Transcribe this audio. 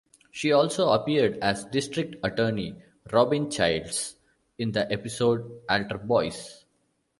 She also appeared as District Attorney Robin Childs in the episode "Alter Boys".